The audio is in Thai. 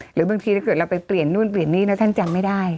หรือบางทีถ้าเกิดเราไปเปลี่ยนนู่นเปลี่ยนนี่แล้วท่านจำไม่ได้